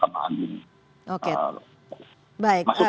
masuk ke surat edaran ya